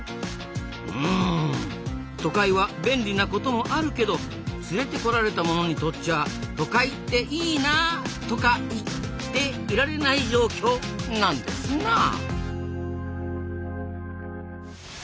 うん都会は便利なこともあるけど連れてこられたものにとっちゃあ都会っていいな「とか言って」いられない状況なんですなあ。